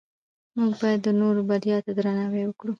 موږ باید د نورو بریا ته درناوی وکړو